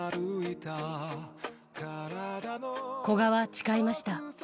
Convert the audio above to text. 古賀は誓いました。